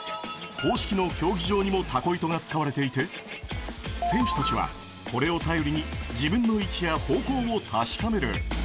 公式の競技場にもタコ糸が使われていて、選手たちはこれを頼りに自分の位置や方向を確かめる。